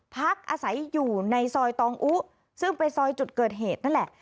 พักอาศัยอยู่ในซอยตองอุซึ่งเป็นซอยจุดเกิดเหตุนั่นแหละ